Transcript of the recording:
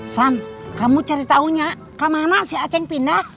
san kamu cari tahunya kemana si aceh pindah